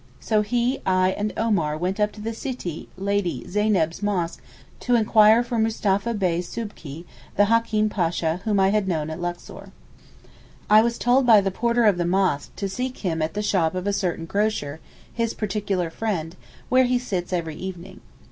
So he, I, and Omar went up to the Sittee (Lady) Zeyneb's mosque, to inquire for Mustapha Bey Soubky, the Hakeem Pasha, whom I had known at Luxor. I was told by the porter of the mosque to seek him at the shop of a certain grocer, his particular friend, where he sits every evening.